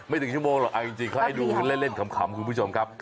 ถึงชั่วโมงหรอกเอาจริงเขาให้ดูเล่นขำคุณผู้ชมครับ